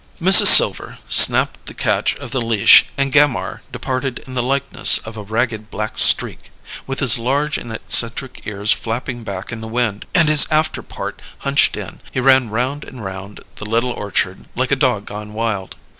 Mrs. Silver snapped the catch of the leash, and Gammire departed in the likeness of a ragged black streak. With his large and eccentric ears flapping back in the wind and his afterpart hunched in, he ran round and round the little orchard like a dog gone wild.